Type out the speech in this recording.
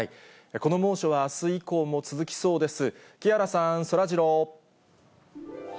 この猛暑はあす以降も続きそうです。